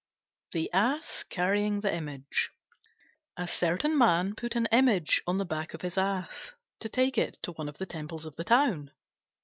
THE ASS CARRYING THE IMAGE A certain man put an Image on the back of his Ass to take it to one of the temples of the town.